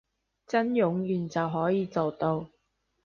真冗員就可以做到